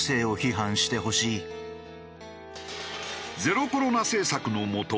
ゼロコロナ政策のもと